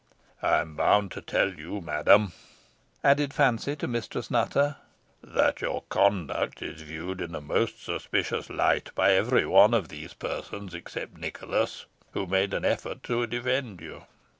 I am bound to tell you, madam," added Fancy to Mistress Nutter, "that your conduct is viewed in a most suspicious light by every one of these persons, except Nicholas, who made an effort to defend you."